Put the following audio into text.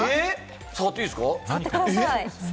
触っていいですか？